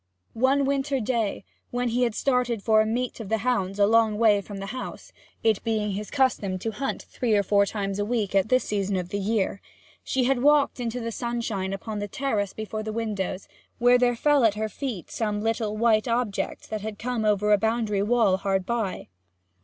One winter day, when he had started for a meet of the hounds a long way from the house it being his custom to hunt three or four times a week at this season of the year she had walked into the sunshine upon the terrace before the windows, where there fell at her feet some little white object that had come over a boundary wall hard by.